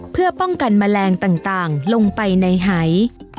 เพื่อป้องกันแมลงต่างลงไปในหาย